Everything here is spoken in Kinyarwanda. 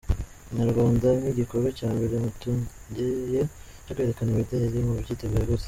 Inyarwanda: Nk’igikorwa cya mbere muteguye cyo kwerekana imideri , mubyiteguye gute?.